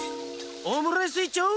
オムライスいっちょう！